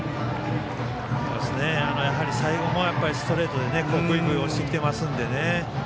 最後もストレートでぐいぐい押してきてますのでね。